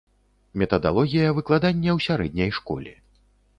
Метадалогія выкладання ў сярэдняй школе.